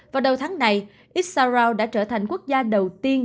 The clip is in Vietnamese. vào đầu tháng này issaro đã trở thành quốc gia đầu tiên